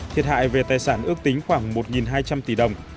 thiệt hại về tài sản ước tính khoảng một hai trăm linh tỷ đồng